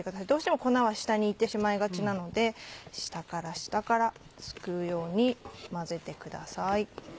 どうしても粉は下に行ってしまいがちなので下から下からすくうように混ぜてください。